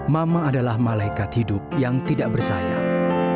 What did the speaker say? mama adalah malaikat hidup yang tidak bersayang